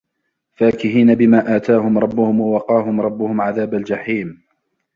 فاكهين بما آتاهم ربهم ووقاهم ربهم عذاب الجحيم